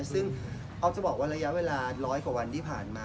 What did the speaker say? ซึ่งอ๊อฟจะบอกว่าระยะเวลาร้อยกว่าวันที่ผ่านมา